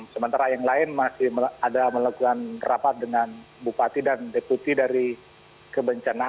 sementara yang lain masih ada melakukan rapat dengan bupati dan deputi dari kebencanaan